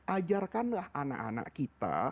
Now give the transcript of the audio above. ajarkanlah anak anak kita